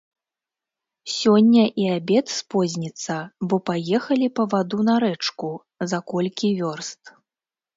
Сёння і абед спозніцца, бо паехалі па ваду на рэчку, за колькі вёрст.